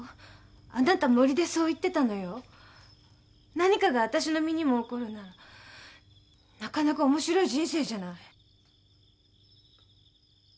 何かがあたしの身にも起こるならなかなか面白い人生じゃない。